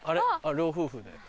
老夫婦で。